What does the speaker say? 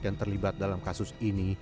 yang terlibat dalam kasus ini